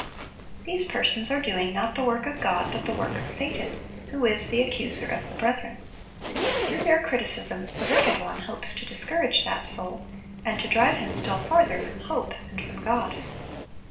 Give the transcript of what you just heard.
These persons are doing, not the work of God, but the work of Satan, w4io is the accuser of the brethren. Through their criticisms the wicked one hopes to discourage that soul, and to drive him still farther from hope and from God.